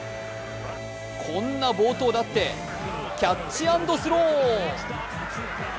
こんな暴投だってキャッチ＆スロー。